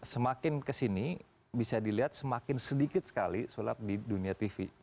semakin kesini bisa dilihat semakin sedikit sekali sulap di dunia tv